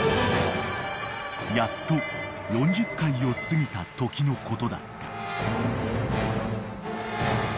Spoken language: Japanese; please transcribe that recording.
［やっと４０階を過ぎたときのことだった］